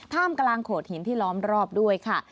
ท่ามกลางโขดหินที่ล้อมรอบด้วยค่ะ